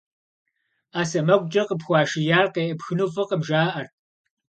Ӏэ сэмэгукӀэ къыпхуашияр къеӀыпхыну фӀыкъым, жаӀэрт.